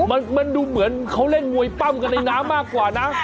มันดูเหมือนเขาเล่นมวยปั้มกันในน้ำมากกว่านะ